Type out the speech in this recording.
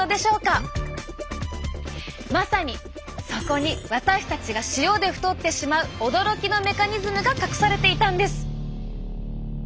まさにそこに私たちが塩で太ってしまう驚きのメカニズムが隠されていたんです！